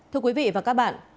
thưa quý vị và các bạn